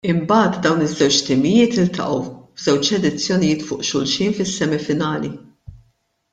Imbagħad dawn iż-żewġ timijiet iltaqgħu f'żewġ edizzjonijiet fuq xulxin fis-semifinali.